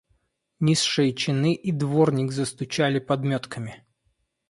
Низшие чины и дворник застучали подметками.